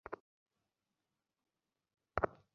সূর্যাস্তের পর এই বনে ভালো কিছু হয়না।